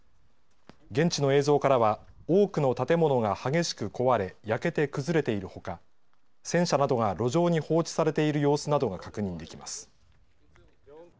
現地の映像からは多くの建物が激しく壊れ焼けて崩れているほか戦車などが路上に放置されている様子などが確認できます。